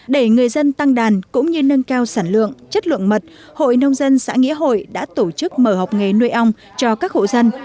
để người dân tăng đàn cũng như nâng cao sản lượng chất lượng mật hội nông dân xã nghĩa hội đã tổ chức mở học nghề nuôi ong cho các hộ dân